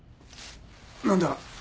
何だ？